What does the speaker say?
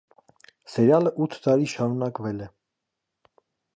Սերիալը ութ տարի շարունակվել է։